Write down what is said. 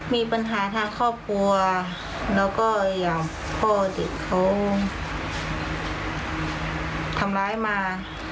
มีปัญหาทางครอบครัวแล้วก็อย่างพ่อเด็กเขาทำร้ายมา